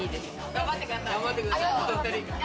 頑張ってください。